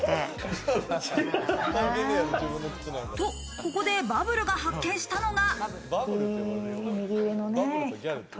ここでバブルが発見したのが。